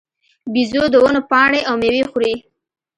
بیزو د ونو پاڼې او مېوې خوري.